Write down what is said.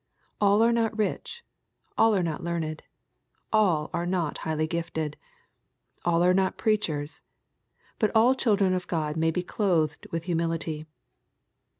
All are not rich. All are not learned. All are not highly gifted. All are not preachers. But all children of God may be clothed with humility.